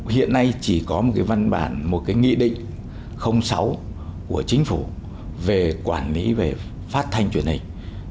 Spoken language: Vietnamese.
hiện nay chỉ có một cái văn bản một cái nghị định sáu của chính phủ về quản lý về phát thanh truyền hình